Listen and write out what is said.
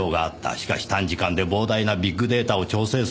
しかし短時間で膨大なビッグデータを調整する事は不可能です。